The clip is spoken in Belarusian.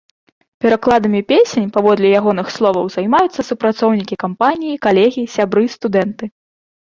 Перакладамі песень, паводле ягоных словаў, займаюцца супрацоўнікі кампаніі, калегі, сябры, студэнты.